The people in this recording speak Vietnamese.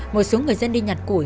một số người dân đi nhặt củi